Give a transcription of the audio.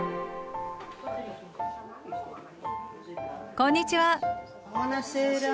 こんにちは。